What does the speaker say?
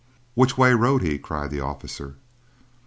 "Which way rode he?" cried the officer.